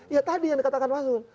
ya tadi yang dikatakan masul